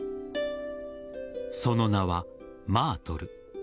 その名は、マートル。